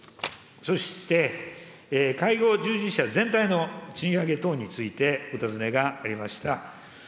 そして、介護従事者全体の賃上げ等についてお尋ねがありました。